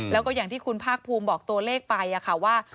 แล้วก็อย่างที่คุณภาคภูมิบอกตัวเลขไปค่ะว่า